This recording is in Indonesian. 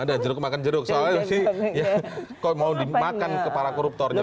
ada jeruk makan jeruk soalnya sih kok mau dimakan ke para koruptornya